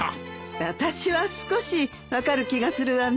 私は少し分かる気がするわね。